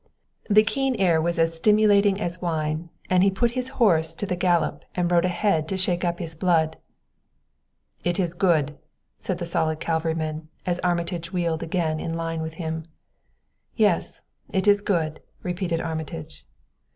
The keen air was as stimulating as wine, and he put his horse to the gallop and rode ahead to shake up his blood. "It is good," said the stolid cavalryman, as Armitage wheeled again into line with him. "Yes, it is good," repeated Armitage.